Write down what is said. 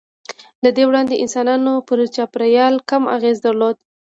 له دې وړاندې انسانانو پر چاپېریال کم اغېز درلود.